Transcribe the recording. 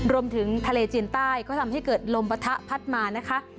รวมถึงทะเลจีนใต้ก็ทำให้เกิดลมปะทะพัดมานะคะ